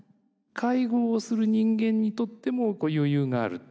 介護をする人間にとっても余裕があるっていう。